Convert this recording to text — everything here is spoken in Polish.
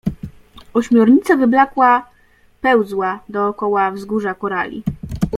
Ośmiornica wyblakła pełzła dookoła wzgórza korali.